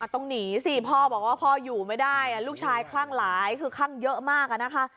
ต้องหนีสิพ่อบอกว่าพ่ออยู่ไม่ได้ลูกชายคลั่งหลายคือคลั่งเยอะมากนะคะ